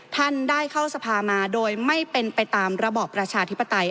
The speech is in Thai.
ท่านได้เข้าสภามาโดยไม่เป็นไปตามระบอบประชาธิปไตย